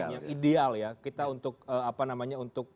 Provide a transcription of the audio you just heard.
yang ideal ya kita untuk